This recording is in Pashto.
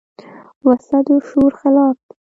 وسله د شعور خلاف ده